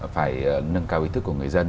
phải nâng cao ý thức của người dân